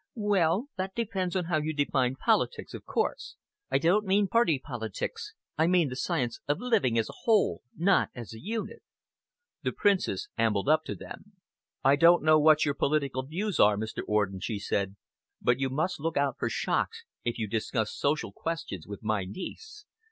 "Well, that depends upon how you define politics, of course. I don't mean Party politics. I mean the science of living, as a whole, not as a unit." The Princess ambled up to them. "I don't know what your political views are, Mr. Orden," she said, "but you must look out for shocks if you discuss social questions with my niece.